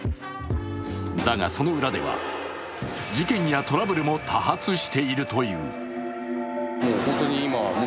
だが、その裏では事件やトラブルも多発しているという。